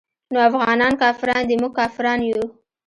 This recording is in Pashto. نو افغانان کافران دي موږ کافران يو.